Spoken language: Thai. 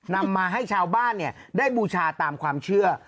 นำมาให้ชาวบ้านได้บูชาตามความเชื่อ